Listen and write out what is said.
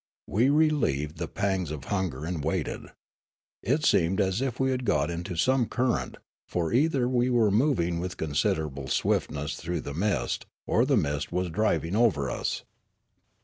We relieved the pangs of hunger and waited. It seemed as if we had got into some current, for either we were moving with considerable swiftness through the mist, or the mist was driving over us.